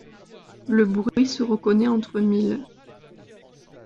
Le bruit se reconnaît entre mille.